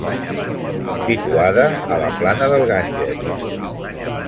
Situada a la plana del Ganges.